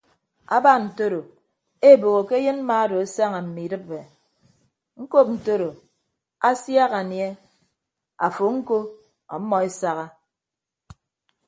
Aba ntoro eboho ke ayịn mma odo asaña mme idịp ñkọp ntodo asiak anie afo ñko ọmmọ esaha.